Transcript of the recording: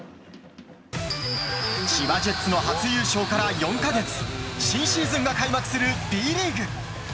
千葉ジェッツの初優勝から４か月新シーズンが開幕するＢリーグ。